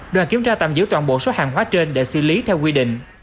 đoàn kiểm tra tạm giữ toàn bộ số hàng hóa trên để xử lý theo quy định